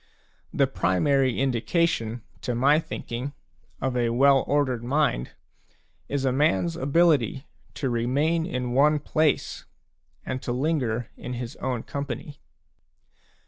The primary indication, to my thinking, of a well ordered mind is a man's ability to remain in one place and linger in his own company.